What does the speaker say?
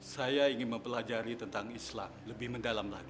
karena harta itu titipan allah